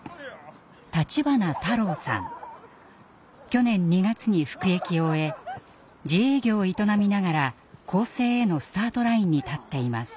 去年２月に服役を終え自営業を営みながら更生へのスタートラインに立っています。